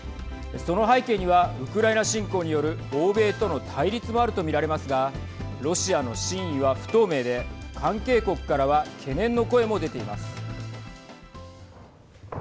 その背景にはウクライナ侵攻による欧米との対立もあると見られますがロシアの真意は不透明で関係国からは懸念の声も出ています。